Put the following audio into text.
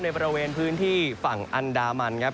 บริเวณพื้นที่ฝั่งอันดามันครับ